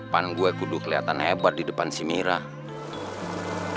pan gue kudu kelihatan hebat di depan si mira